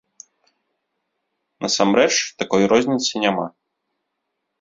Насамрэч, такой розніцы няма.